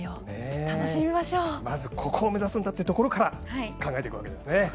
まず、ここを目指すんだというところから考えていくんですね。